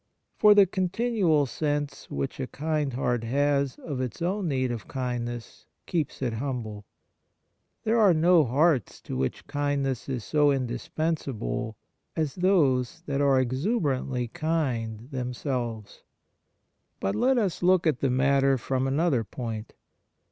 For the continual sense which a kind heart has of its own need of kindness keeps it humble. There are no hearts to On Kindness in General 27 which kindness is so indispensable as those that are exuberantly kind themselves. But let us look at the matter from another point.